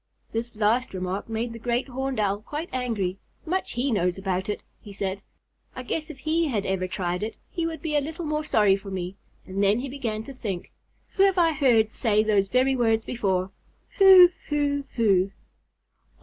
This last remark made the Great Horned Owl quite angry. "Much he knows about it," he said. "I guess if he had ever tried it he would be a little more sorry for me." And then he began to think, "Who have I heard say those very words before? Who? Who? Who?"